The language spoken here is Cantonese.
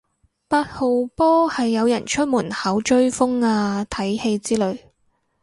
八號波係有人出門口追風啊睇戲之類